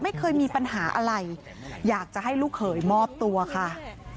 ปี๖๕วันเกิดปี๖๔ไปร่วมงานเช่นเดียวกัน